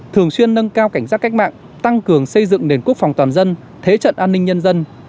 thường xuyên nâng cao cảnh giác cách mạng tăng cường xây dựng nền quốc phòng toàn dân thế trận an ninh nhân dân